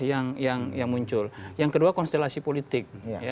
yang muncul yang kedua konstelasi politik